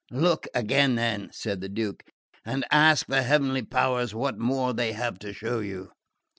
"Look again, then," said the Duke, "and ask the heavenly powers what more they have to show you."